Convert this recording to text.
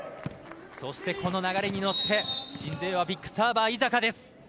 そしてこの流れに乗って鎮西はビッグサーバー井坂です。